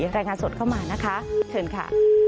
รายงานสดเข้ามานะคะเชิญค่ะ